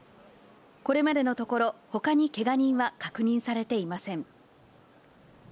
これまでのところ、ほかにけが人は確認されていません。